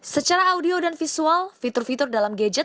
secara audio dan visual fitur fitur dalam gadget